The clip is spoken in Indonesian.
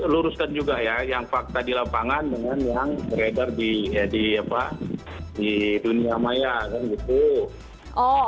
luruskan juga ya yang fakta di lapangan dengan yang beredar di dunia maya kan gitu